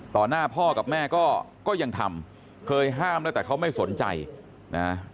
หน้าพ่อกับแม่ก็ยังทำเคยห้ามแล้วแต่เขาไม่สนใจนะ